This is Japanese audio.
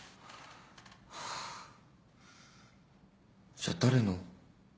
じゃあ誰の。